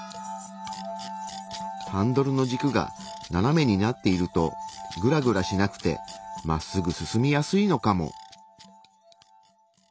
ハンドルの軸が斜めになっているとグラグラしなくてまっすぐ進みやすいのかも。